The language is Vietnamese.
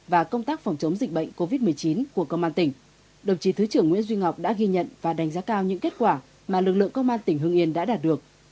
và công tác phòng chống dịch bệnh covid một mươi chín của công an tỉnh đồng chí thứ trưởng nguyễn duy ngọc đã ghi nhận và đánh giá cao những kết quả mà lực lượng công an tỉnh hương yên đã đạt được